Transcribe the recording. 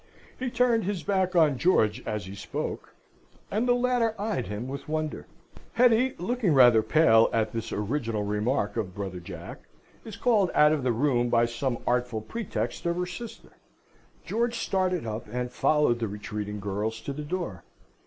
He turned his back on George as he spoke, and the latter eyed him with wonder. Hetty, looking rather pale at this original remark of brother Jack, is called out of the room by some artful pretext of her sister. George started up and followed the retreating girls to the door.